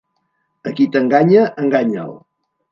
A qui t'enganya, enganya'l.